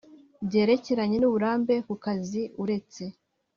Byerekeranye n uburambe ku kazi uretse